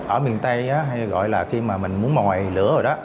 ở miền tây hay gọi là khi mà mình muốn mòi lửa rồi đó